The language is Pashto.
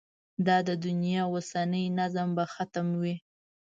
دا د دنیا اوسنی نظم به ختموي.